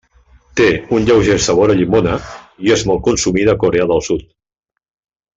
Té un lleuger sabor de llimona i és molt consumida a Corea del Sud.